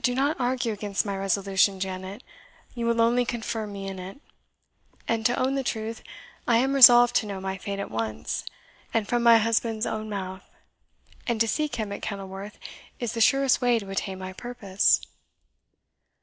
Do not argue against my resolution, Janet; you will only confirm me in it. And to own the truth, I am resolved to know my fate at once, and from my husband's own mouth; and to seek him at Kenilworth is the surest way to attain my purpose."